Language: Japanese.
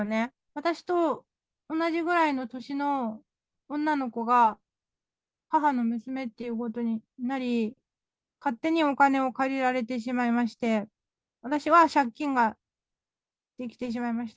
私と同じぐらいの年の女の子が母の娘ということになり、勝手にお金を借りられてしまいまして、私は借金が出来てしまいました。